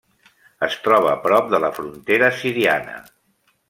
Es troba prop de la frontera siriana.